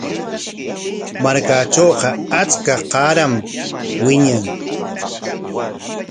Markaatrawqa achka qaaram wiñan.